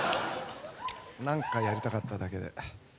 何かやりたかっただけで。